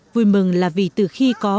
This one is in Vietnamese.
vui mừng là vì từ khi có